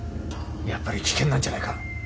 やっぱり危険なんじゃないか。